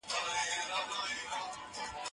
زه اوس د کتابتون کتابونه لوستل کوم،